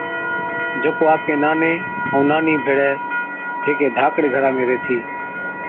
جڪو آپڪي ناني ائُون نانِي ڀيڙَي هيڪي ڌاڪڙي گھرا ۾ ريهٿِي۔